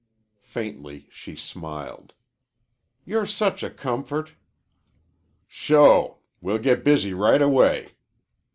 Faintly she smiled. "You're such a comfort." "Sho! We'll get busy right away.